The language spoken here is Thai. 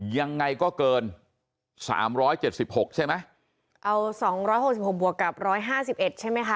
ยังไงก็เกินสามร้อยเจ็ดสิบหกใช่ไหมเอาสองร้อยหกสิบหกบวกกับร้อยห้าสิบเอ็ดใช่ไหมคะ